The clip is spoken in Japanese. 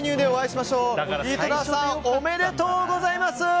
おめでとうございます！